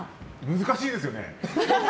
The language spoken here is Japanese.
難しいですよね。